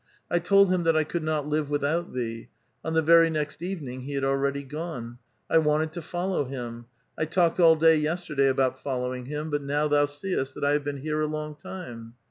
" I told him that 1 could not live without thee : on the very next evening he had already gone ; I wanted to follow him ; I talked all day yesterday about following him, but now thou seest that I have been here a long time."